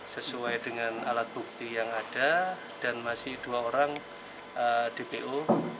sesuai dengan alat bukti yang ada dan masih dua orang dpo